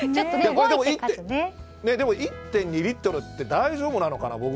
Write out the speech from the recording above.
でも、１．２リットルって大丈夫なのかな？